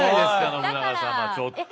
信長様ちょっと。